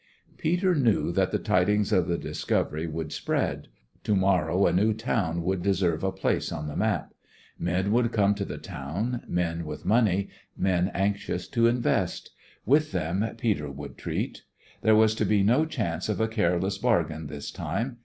Peter knew that the tidings of the discovery would spread. To morrow a new town would deserve a place on the map. Men would come to the town, men with money, men anxious to invest. With them Peter would treat. There was to be no chance of a careless bargain this time.